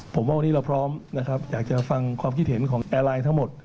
ผมว่าวันนี้เราพร้อมนะครับอยากจะฟังความคิดเห็นของแอร์ไลน์ทั้งหมด